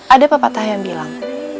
ada pepatah yang bilang